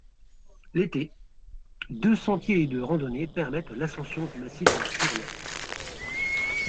L'été, deux sentiers de randonnée permettent l'ascension du massif de la Tournette.